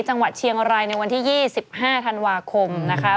จังหวัดเชียงรายในวันที่๒๕ธันวาคมนะคะ